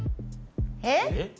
えっ？